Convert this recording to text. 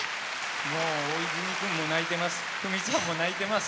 もう大泉くんも泣いてます。